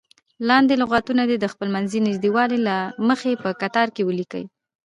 لاندې لغتونه دې د خپلمنځي نږدېوالي له مخې په کتار کې ولیکئ.